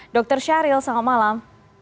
dr syaril selamat malam